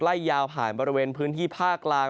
ไล่ยาวผ่านบริเวณพื้นที่ภาคกลาง